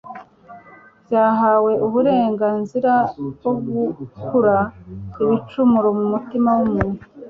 byahawe uburenganzira bwo gukura ibicumuro mu mutima w'umuntu.